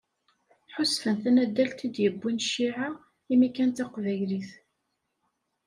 Ḥusfen tanaddalt i d-yewwin cciɛa, imi kan d taqbaylit.